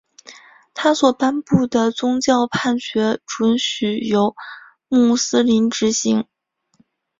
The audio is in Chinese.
他所颁布的宗教判决准许由穆斯林执行。